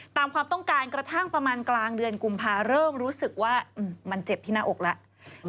ตามความต้องการกระทั่งประมาณกลางเดือนกุมภาเริ่มรู้สึกว่ามันเจ็บที่หน้าอกแล้ว